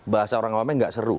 bahasa orang awamnya tidak seru